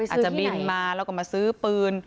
อาจจะบินมาแล้วก็มาซื้อปืน